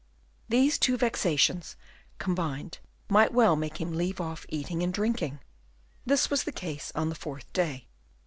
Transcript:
These two vexations combined might well make him leave off eating and drinking. This was the case on the fourth day.